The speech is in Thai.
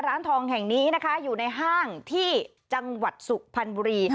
ร้านทองแห่งนี้นะคะอยู่ในห้างที่จังหวัดสุพรรณบุรี